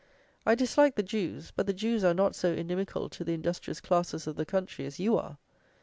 I dislike the Jews; but the Jews are not so inimical to the industrious classes of the country as you are.